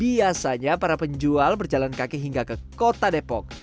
biasanya para penjual berjalan kaki hingga ke kota depok